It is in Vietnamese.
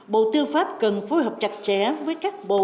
bộ tư pháp cần phối hợp chặt chẽ với các bộ